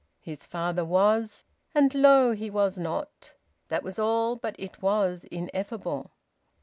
His father was, and lo! he was not. That was all, but it was ineffable.